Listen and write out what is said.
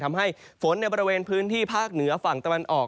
ทำให้ฝนในบริเวณพื้นที่ภาคเหนือฝั่งตะวันออก